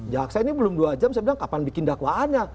jaksa ini belum dua jam saya bilang kapan bikin dakwaannya